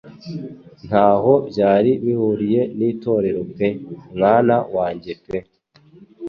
Ntaho byari bihuriye n'Itorero pe mwana wanjye pe